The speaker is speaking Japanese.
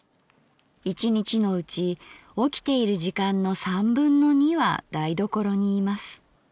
一日のうち起きている時間の三分の二は台所にいます」。